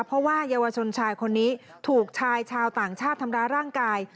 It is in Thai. เพราะว่าเยาวชนชายคนนี้ถูกชายชาวต่างชาติทำร้ายร่างกาย